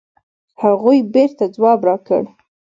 هغوی بېرته ځواب راکړ.